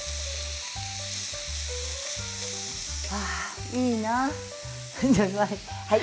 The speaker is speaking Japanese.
ああ、いいな。